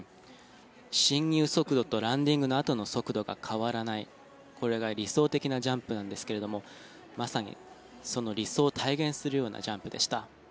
進入速度とランディングのあとの速度が変わらないこれが理想的なジャンプですがまさにその理想を体現するようなジャンプでした。